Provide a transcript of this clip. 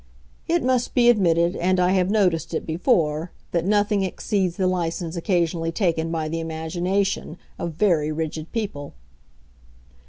It must be admitted—and I have noticed it before—that nothing exceeds the license occasionally taken by the imagination of very rigid people."